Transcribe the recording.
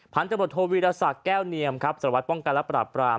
ผ่านตำรวจโทวิทยาศักดิ์แก้วเนียมสารวัตรป้องกันและปรับปราม